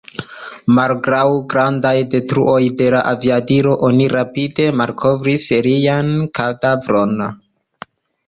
Malgraŭ grandaj detruoj de la aviadilo oni rapide malkovris lian kadavron.